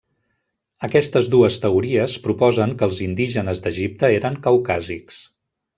Aquestes dues teories proposen que els indígenes d'Egipte eren caucàsics.